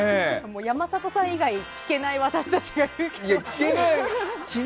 山里さん以外聞けない私たち。